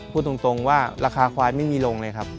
พูดตรงว่าราคาควายไม่มีลงเลยครับ